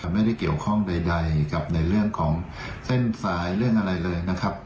ไม่ได้เกี่ยวข้องใดกับในเรื่องของเส้นสายเรื่องอะไรเลยนะครับ